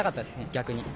逆に。